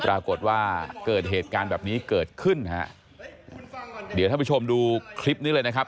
ปรากฏว่าเกิดเหตุการณ์แบบนี้เกิดขึ้นฮะเดี๋ยวท่านผู้ชมดูคลิปนี้เลยนะครับ